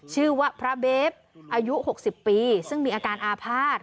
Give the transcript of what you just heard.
ชื่อว่าพระเบฟอายุ๖๐ปีซึ่งมีอาการอาภาษณ์